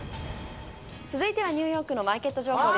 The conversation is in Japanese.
続いてはニューヨークのマーケット情報です。